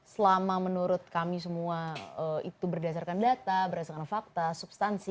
selama menurut kami semua itu berdasarkan data berdasarkan fakta substansi